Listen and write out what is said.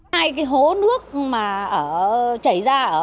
hai cái hố nước mà chảy ra